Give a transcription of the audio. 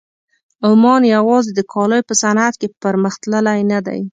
عمان یوازې د کالیو په صنعت کې پرمخ تللی نه دی.